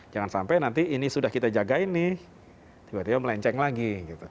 jangan sampai nanti ini sudah kita jagain nih tiba tiba melenceng lagi